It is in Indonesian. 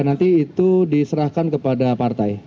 nanti itu diserahkan kepada partai